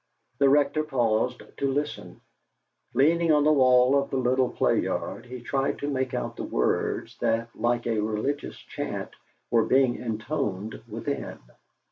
The Rector paused to listen. Leaning on the wall of the little play yard, he tried to make out the words that, like a religious chant, were being intoned within.